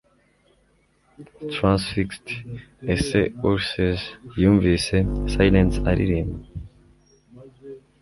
transfixed ese ulysses yumvise sirens aririmba